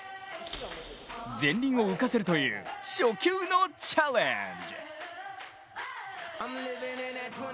前輪を浮かせるという初級のチャレンジ。